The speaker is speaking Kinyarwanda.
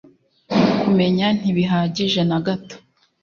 kumenya ntibihagije na gato